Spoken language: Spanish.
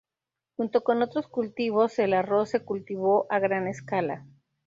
Junto con otros cultivos, el arroz se cultivó a gran escala.